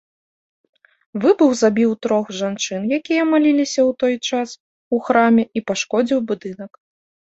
Выбух забіў трох жанчын, якія маліліся ў той час у храме, і пашкодзіў будынак.